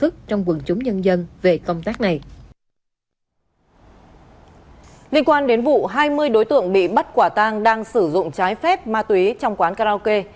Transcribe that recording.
liên quan đến vụ hai mươi đối tượng bị bắt quả tang đang sử dụng trái phép ma túy trong quán karaoke